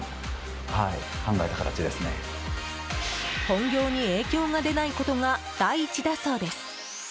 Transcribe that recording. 本業に影響が出ないことが第一だそうです。